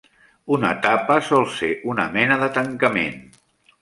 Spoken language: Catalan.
Una tapa sol ser una mena de tancament.